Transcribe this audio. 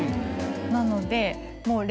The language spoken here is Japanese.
なので。